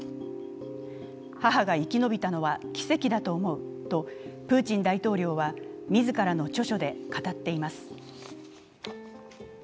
母が生き延びたのは奇跡だと思うとプーチン大統領は自らの著書で語っています。